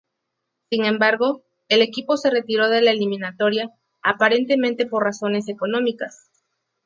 Sin embargo, el equipo se retiró de la eliminatoria, aparentemente por razones económicas.